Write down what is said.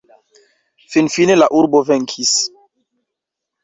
Finfine la urbo venkis.